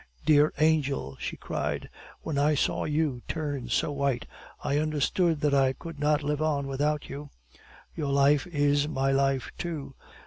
"Dear angel," she cried, "when I saw you turn so white, I understood that I could not live on without you; your life is my life too.